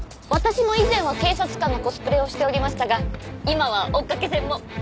私も以前は警察官のコスプレをしておりましたが今は追っかけ専門。